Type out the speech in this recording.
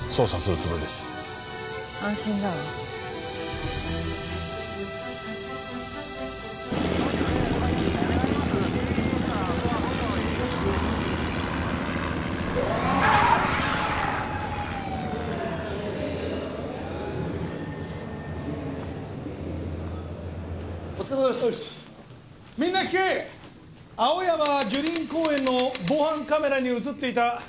青山樹林公園の防犯カメラに映っていた犯人の写真だ。